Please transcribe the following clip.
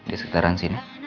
di sekitaran sini